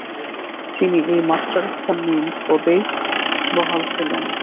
তিনি এই master of the mint পদেই বহাল ছিলেন।